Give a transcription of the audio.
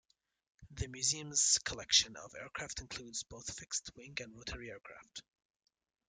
The Museum's collection of aircraft includes both fixed wing and rotary aircraft.